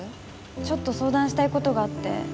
ちょっと相談したいことがあって。